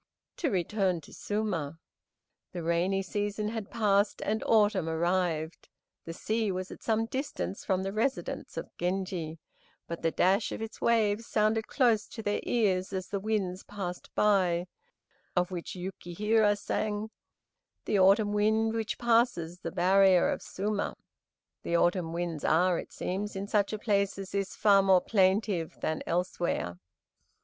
To return to Suma. The rainy season had passed, and autumn arrived. The sea was at some distance from the residence of Genji, but the dash of its waves sounded close to their ears as the winds passed by, of which Yukihira sang, "The autumn wind which passes the barrier of Suma." The autumn winds are, it seems, in such a place as this, far more plaintive than elsewhere.